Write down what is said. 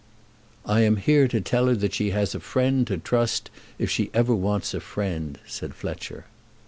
"I am here to tell her that she has a friend to trust to if she ever wants a friend," said Fletcher.